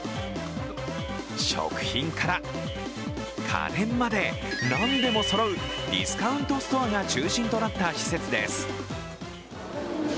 食品から家電までなんでもそろうディスカウントストアが中心となった施設です。